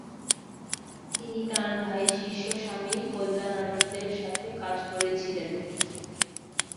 তিনি তাঁর ভাই শিষ্য স্বামী কল্যানানন্দের সাথে কাজ করেছিলেন।